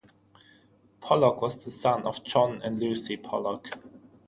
Pollock was the son of John and Lucy Pollock.